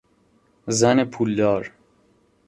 زن پولدار